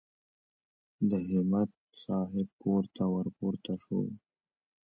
د همت صاحب کور ته ور پورته شوو.